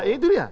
oh iya itu dia